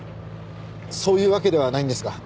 そういうわけではないんですが。